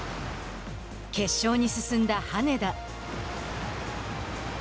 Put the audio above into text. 決勝に進んだ羽根田。